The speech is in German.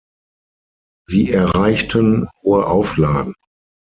Sie erreichten hohe Auflagen.